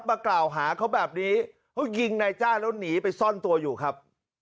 มากล่าวหาเขาแบบนี้เขายิงนายจ้างแล้วหนีไปซ่อนตัวอยู่ครับ